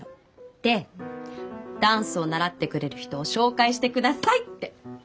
でダンスを習ってくれる人を紹介してくださいって。